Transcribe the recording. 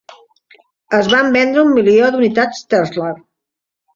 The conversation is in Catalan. Es van vendre un milió d"unitats Telstar.